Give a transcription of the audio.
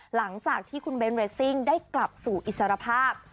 หลังจากที่คุณเบ้นเรสซิ่งได้กลับสู่อิสรภาพ